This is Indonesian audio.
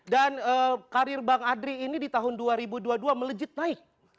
dan karir bang adri ini di tahun dua ribu dua puluh dua melejit naik